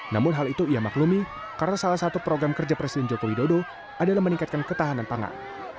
namun hal itu ia maklumi karena salah satu program kerja presiden joko widodo adalah meningkatkan ketahanan pangan